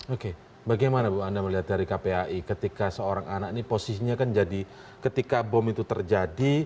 oke bagaimana bu anda melihat dari kpai ketika seorang anak ini posisinya kan jadi ketika bom itu terjadi